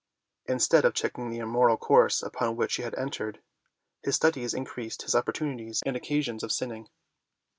Instead of checking the immoral course upon which he had entered, his studies increased his opportunities and occasions of sinning.